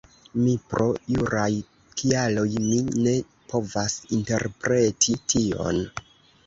Mi, pro juraj kialoj mi ne povas interpreti tion